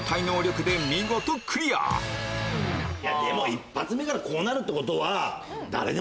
一発目からこうなるってことは。